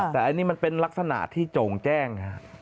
แต่อันนี้มันเป็นลักษณะที่โจ่งแจ้ง